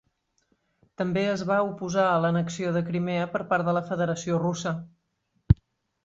També es va oposar a l'annexió de Crimea per part de la Federació Russa.